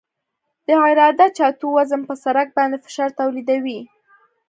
د عراده جاتو وزن په سرک باندې فشار تولیدوي